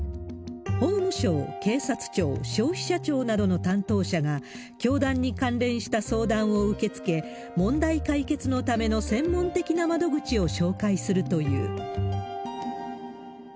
法務省、警察庁、消費者庁などの担当者が、教団に関連した相談を受け付け、問題解決のための専門的な窓口を紹介するという。